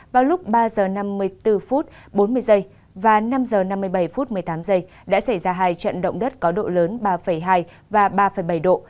vào lúc ba h năm mươi bốn phút bốn mươi giây và năm h năm mươi bảy phút một mươi tám giây đã xảy ra hai trận động đất có độ lớn ba hai và ba bảy độ